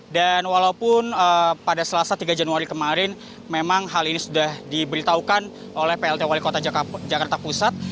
dan walaupun pada selasa tiga januari kemarin memang hal ini sudah diberitahukan oleh plt wali kota jakarta pusat